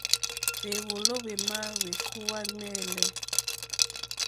Hwěwòló hwémá hwékúwǃá ŋwɛ́ǃɛ́lɛ́.